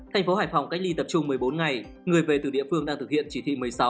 thành phố hải phòng cách ly tập trung một mươi bốn ngày người về từ địa phương đang thực hiện chỉ thị một mươi sáu